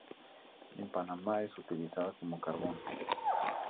En Panamá es utilizada como carbón.